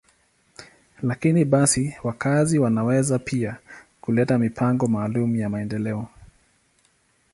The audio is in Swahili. Lakini basi, wakazi wanaweza pia kuleta mipango maalum ya maendeleo.